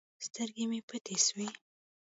سترګې مې پټې سوې.